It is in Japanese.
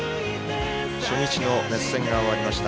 初日の熱戦が終わりました